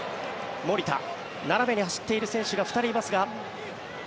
斜めに走っている選手が２人いますが。